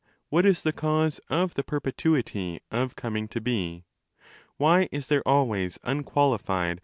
What is the cause of the perpetuity 35 of coming to be? Why is there always unqualified